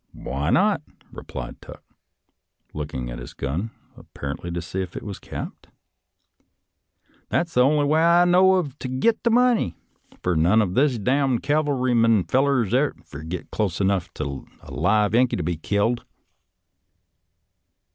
''"" Why not? " replied Tuck, looking at his gun, apparently to see if it was capped. " That's the only way I know of to git the money, fur none of these d d cavalry fel lers ever git close enough to a live Yankee to be killed."